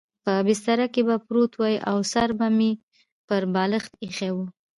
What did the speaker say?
په بستره کې به پروت وای او سر به مې پر بالښت اېښی و.